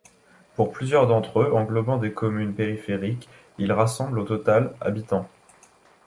Pour plusieurs d'entre eux englobant des communes périphériques, ils rassemblent au total habitants.